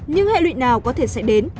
những hệ luyện nào có thể sẽ đến